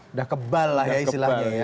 udah kebal lah ya istilahnya ya